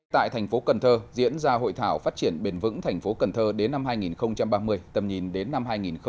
tại thành phố cần thơ diễn ra hội thảo phát triển bền vững thành phố cần thơ đến năm hai nghìn ba mươi tầm nhìn đến năm hai nghìn bốn mươi năm